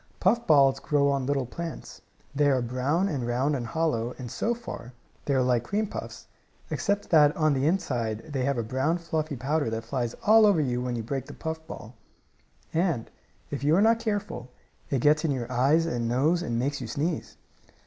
Puff balls grow on little plants. They are brown and round and hollow, and, so far, they are like cream puffs, except that inside they have a brown, fluffy powder that flies all over when you break the puff ball. And, if you are not careful, it gets in your eyes and nose and makes you sneeze.